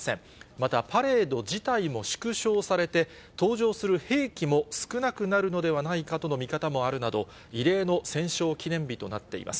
また、パレード自体も縮小されて、登場する兵器も少なくなるのではないかとの見方もあるなど、異例の戦勝記念日となっています。